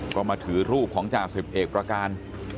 ก็มาถือรูปของจ่าสิบเอกประการ